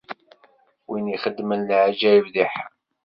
Win i ixedmen leɛǧayeb di Ḥam.